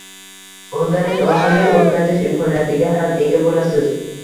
O’rganish orqali o’rgatish imkoniyatiga ham ega bo’lasiz